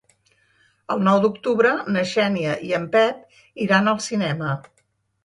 El nou d'octubre na Xènia i en Pep iran al cinema.